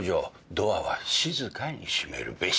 ドアは静かに閉めるべし。